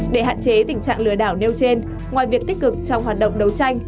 để hạn chế tình trạng lừa đảo nêu trên ngoài việc tích cực trong hoạt động đấu tranh